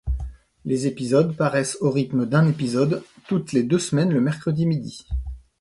Les épisodes paraissent au rythme d'un épisode toutes les deux semaines le mercredi midi.